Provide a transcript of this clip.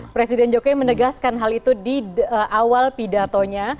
presiden jokowi menegaskan hal itu di awal pedato nya